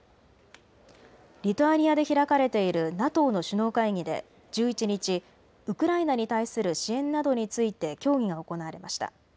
リトアニアで開かれているＮＡＴＯの首脳会議で１１日、ウクライナに対する支援などについて協議が行われました。